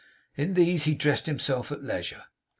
In these he dressed himself at leisure.